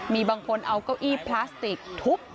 มีบางคนเอาเก้าอี้พลาสติกทุบ